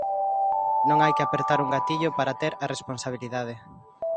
Non hai que apertar un gatillo para ter a responsabilidade.